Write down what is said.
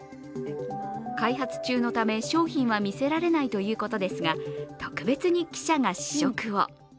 開発中のため、商品は見せられないということですが特別に記者が試食を。